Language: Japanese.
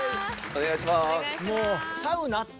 お願いします。